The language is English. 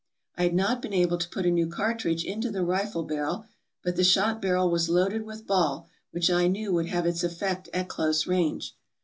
"I had not been able to put a new cartridge into the rifle barrel, but the shot barrel was loaded with ball, which I knew would have its effect at close range.